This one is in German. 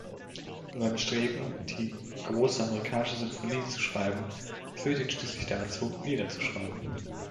Sein Bestreben, die „große amerikanische Symphonie“ zu schreiben, führte ihn schließlich dazu, Lieder zu schreiben.